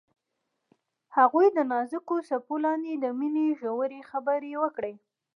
هغوی د نازک څپو لاندې د مینې ژورې خبرې وکړې.